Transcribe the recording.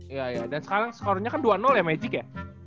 iya dan sekarang skornya kan dual ya magic ya